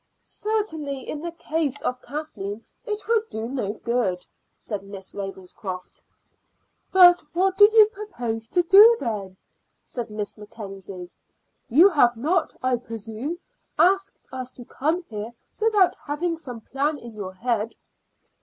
"Certainly in the case of Kathleen it would do no good," said Miss Ravenscroft. "But what do you propose to do, then?" said Miss Mackenzie. "You have not, I presume, asked us to come here without having some plan in your head."